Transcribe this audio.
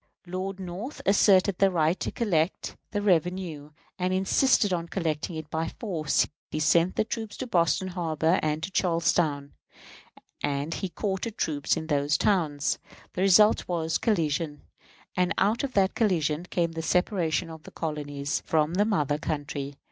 Lord North asserted the right to collect the revenue, and insisted on collecting it by force. He sent troops to Boston Harbor and to Charlestown, and he quartered troops in those towns. The result was, collision; and out of that collision came the separation of the colonies from the mother country.